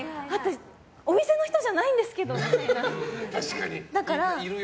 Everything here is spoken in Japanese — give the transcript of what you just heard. お店の人じゃないんですけどってなる。